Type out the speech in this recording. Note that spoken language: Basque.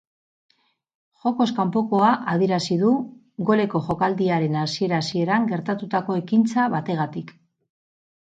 Jokoz kanpokoa adierazi du, goleko jokaldiaren hasiera-hasieran gertatutako ekintza bategatik.